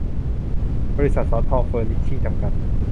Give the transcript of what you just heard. บริษัท ศรทองเฟอนิชชิ่ง จำกัด